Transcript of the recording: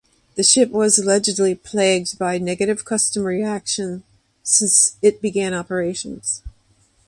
The ship was allegedly plagued by negative customer reaction since it began operations.